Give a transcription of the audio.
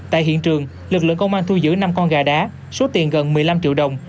tại hiện trường lực lượng công an thu giữ năm con gà đá số tiền gần một mươi năm triệu đồng